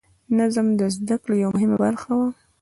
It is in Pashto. نظم د زده کړې یوه مهمه برخه وه.